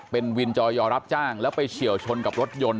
เป็นวินจอยอรับจ้างแล้วไปเฉียวชนกับรถยนต์